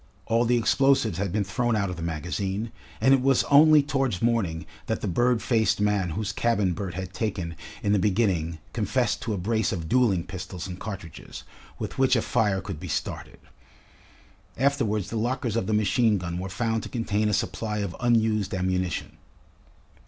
All the explosives had been thrown out of the magazine, and it was only towards morning that the bird faced man whose cabin Bert had taken in the beginning confessed to a brace of duelling pistols and cartridges, with which a fire could be started. Afterwards the lockers of the machine gun were found to contain a supply of unused ammunition.